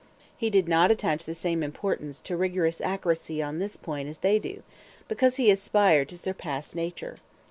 He did not attach the same importance to rigorous accuracy on this point as they do, because he aspired to surpass nature.